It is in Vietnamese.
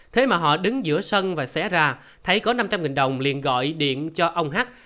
thế mà họ đứng giữa sân và xé ra thấy có năm trăm linh nghìn đồng liền gọi điện cho ông h